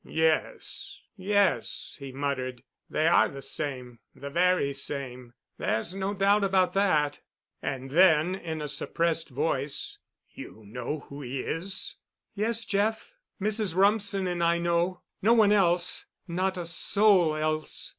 "Yes, yes," he muttered, "they are the same—the very same. There's no doubt about that." And then, in a suppressed voice, "You know who he is?" "Yes, Jeff. Mrs. Rumsen and I know—no one else—not a soul else.